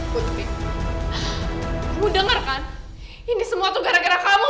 kamu dengar kan ini semua tuh gara gara kamu tau gak